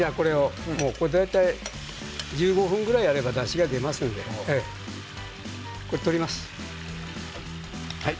大体これは１５分ぐらいやればだしが出ますので取ります。